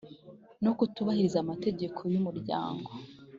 no kutubahiriza amategeko y umuryango